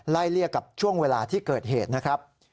เลี่ยกับช่วงเวลาที่เกิดเหตุนะครับ